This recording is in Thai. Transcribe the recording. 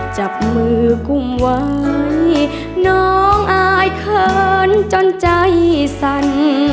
จับมือกุ้มไว้น้องอายเขินจนใจสั่น